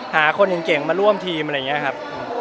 หาคนเก่งมาร่วมทีมอะไรอย่างนี้ครับ